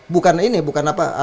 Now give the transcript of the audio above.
bukan ini bukan apa